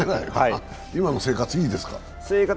今の生活いいですか？